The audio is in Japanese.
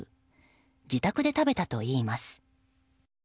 自宅で食べたといいます。